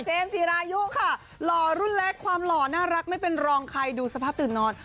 จีรายุค่ะหล่อรุ่นเล็กความหล่อน่ารักไม่เป็นรองใครดูสภาพตื่นนอน